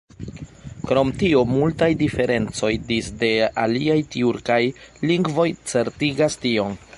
Krom tio multaj diferencoj disde aliaj tjurkaj lingvoj certigas tion.